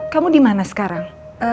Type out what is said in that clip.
kamu dimana sekarang